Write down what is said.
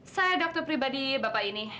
saya dokter pribadi bapak ini